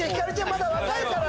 まだ若いから。